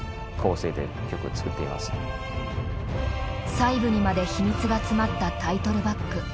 細部にまで秘密が詰まったタイトルバック。